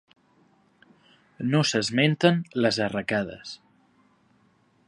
No s'esmenten les arracades.